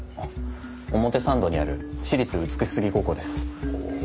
表参道にある私立美し杉高校です。